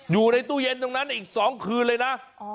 อยู่ในตู้เย็นตรงนั้นอีก๒คืนเลยนะ